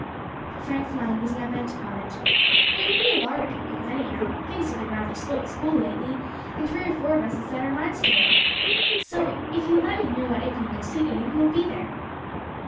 But Frank's mind was now bent upon it. "It will be a lark, Perkins, anyhow; things have been rather slow at School lately, and three or four of us have set our minds on it. So if you let me know what evening will suit you, we will be here."